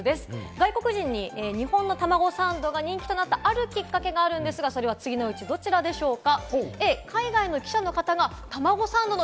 外国人に日本のたまごサンドが人気となった、あるきっかけがあるんですが、次のうちどちらでしょうか？